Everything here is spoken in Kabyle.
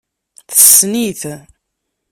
Tessen-it.